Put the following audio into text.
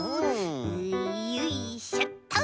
んよいしょっと。